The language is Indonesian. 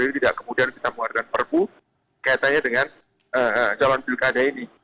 jadi tidak kemudian kita mengeluarkan pkpu kayaknya dengan calon pilkada ini